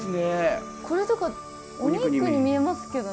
これとかお肉に見えますけどね。